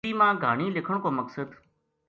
گوجری ما گہانی لکھن کو مقصد